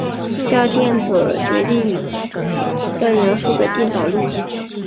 价电子同时亦决定该元素的电导率。